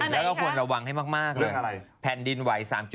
ดูกลัวน่ากลัว